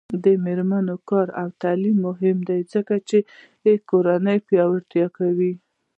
د میرمنو کار او تعلیم مهم دی ځکه چې کورنۍ پیاوړتیا کوي.